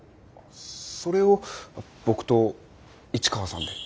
それを僕と市川さんで？